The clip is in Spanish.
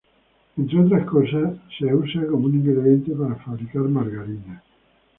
Entre otras cosas, es usado como un ingrediente para fabricar margarina.